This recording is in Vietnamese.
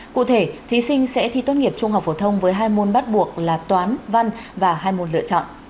cụ thể thí sinh sẽ thi tốt nghiệp trung học phổ thông với hai môn bắt buộc là toán văn và hai môn lựa chọn